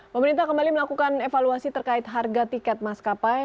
pemerintah kembali melakukan evaluasi terkait harga tiket maskapai